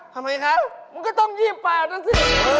ทำไมคะมันก็ต้อง๒๘นะสิ